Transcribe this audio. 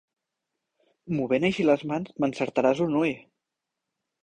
Movent així les mans m'encertaràs un ull!